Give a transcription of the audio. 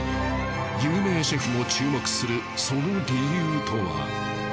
有名シェフも注目するその理由とは。